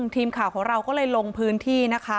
ทีมข่าวของเราก็เลยลงพื้นที่นะคะ